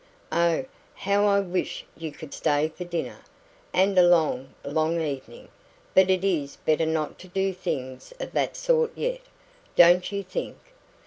Oh, how I wish you could stay for dinner, and a long, long evening! But it is better not to do things of that sort yet, don't you think?